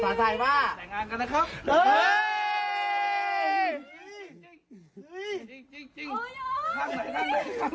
ต่างงานกันนะครับ